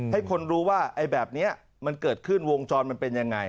ให้คนรู้ว่าไอ้แบบนี้มันเกิดขึ้นวงจรมันเป็นยังไง